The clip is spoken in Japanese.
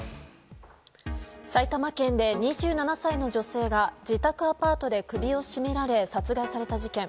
埼玉県で２７歳の女性が自宅アパートで首を絞められ殺害された事件。